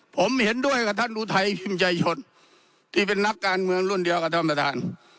ผมเห็นด้วยกับท่านอุทัยพิมพ์ใจชนที่เป็นนักการเมืองรุ่นเดียวกับท่านประธาน